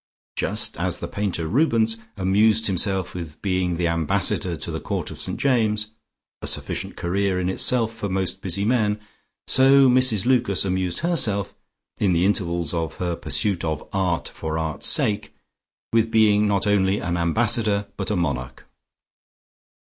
Just as the painter Rubens amused himself with being the ambassador to the Court of St. James a sufficient career in itself for most busy men so Mrs Lucas amused herself, in the intervals of her pursuit of Art for Art's sake, with being not only an ambassador but a monarch.